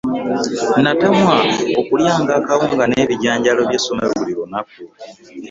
Natamwa okulyanga akawunga n'ebijjanjalo by'essomero buli lunaku.